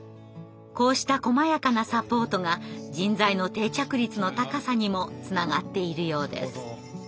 こうしたこまやかなサポートが人材の定着率の高さにもつながっているようです。